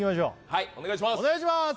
はいお願いします